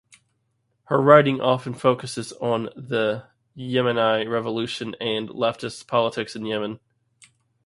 Her writing often focuses on the Yemeni Revolution and leftist politics in Yemen.